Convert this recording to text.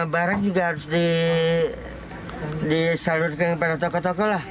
barang juga harus disalurkan kepada toko toko lah